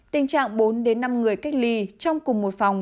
tình trạng bốn năm người cách ly trong cùng một phòng